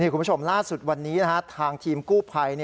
คุณผู้ชมล่าสุดวันนี้ทางทีมกู้ภัย